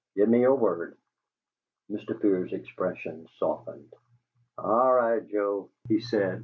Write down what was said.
Give me your word." Mr. Fear's expression softened. "All right, Joe," he said.